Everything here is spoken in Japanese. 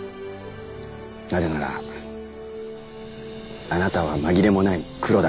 なぜならあなたは紛れもないクロだからです。